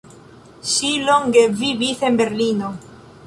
Ŝi longe vivis en Berlino.